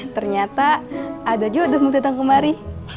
ternyata ada juga yang mau datang kemari